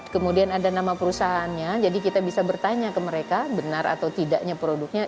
kemudian ada nama perusahaannya jadi kita bisa bertanya ke mereka benar atau tidaknya produknya